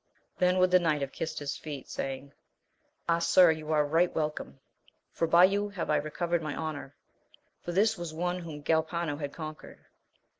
Then would the knight have kissed his feet, saying. Ah, sir, you are right welcome, for by you iave I recovered my honour ! for this was one whom GkJpano had conquered.